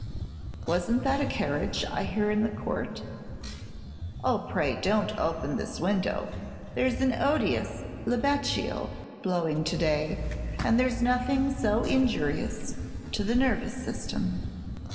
Was n't that a carriage I heard in the 'cour'? Oh, pray don't open the window; there's an odious libeccio blowing to day, and there's nothing so injurious to the nervous system."